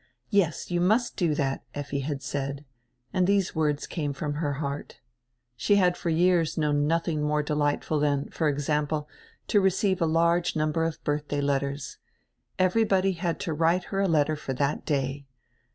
"Yes, you must do that," Effi had said, and these words came from her heart. She had for years known nothing more delightful than, for example, to receive a large num ber of birthday letters. Everybody had to write her a letter for that day.